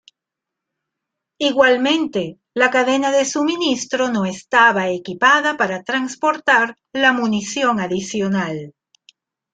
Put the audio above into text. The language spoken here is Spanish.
Igualmente, la cadena de suministro no estaba equipada para transportar la munición adicional.